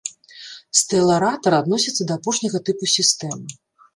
Стэларатар адносіцца да апошняга тыпу сістэм.